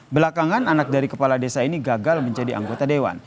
belakangan anak dari kepala desa ini gagal menjadi anggota dewan